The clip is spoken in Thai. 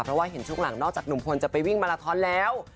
เพราะว่าเห็นช่วงหลังนอกจากหนุ่มพลจะไปวิ่งมาลาทอนแล้ว